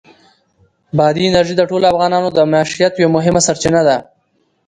بادي انرژي د ټولو افغانانو د معیشت یوه مهمه سرچینه ده.